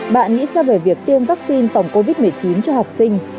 bạn nghĩ ra về việc tiêm vaccine phòng covid một mươi chín cho học sinh